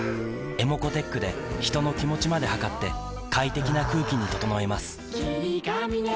ｅｍｏｃｏーｔｅｃｈで人の気持ちまで測って快適な空気に整えます